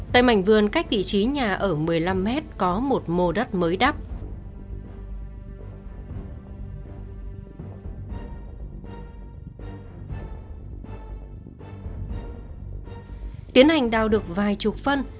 tiến hành đào được vài chục phân